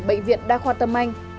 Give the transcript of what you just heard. bệnh viện đa khoa tâm anh